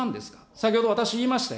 先ほど、私言いましたよ。